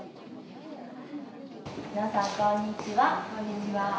皆さん、こんにちは。